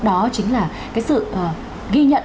đó chính là cái sự ghi nhận